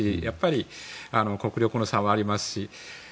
やっぱり国力の差はありますし